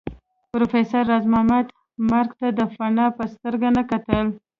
پروفېسر راز محمد مرګ ته د فناء په سترګه نه کتل